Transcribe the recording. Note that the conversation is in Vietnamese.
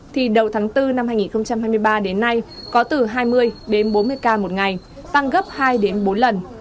thì đầu tháng bốn năm hai nghìn hai mươi ba đến nay có từ hai mươi đến bốn mươi ca một ngày tăng gấp hai đến bốn lần